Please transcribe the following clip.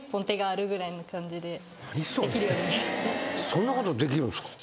そんなことできるんすか？